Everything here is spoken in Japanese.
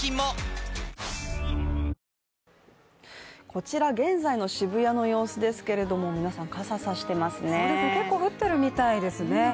こちら現在の渋谷の様子ですけれども、皆さん、傘さしていますね結構降っているみたいですね。